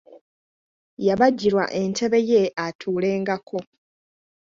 Yabajjirwa entebe ye atuulengako.